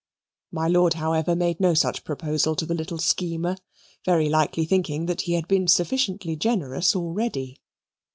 My lord, however, made no such proposal to the little schemer very likely thinking that he had been sufficiently generous already.